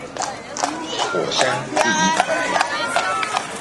火山第一排